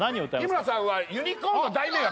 日村さんはユニコーンの「大迷惑」